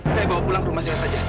saya bawa pulang ke rumah saya saja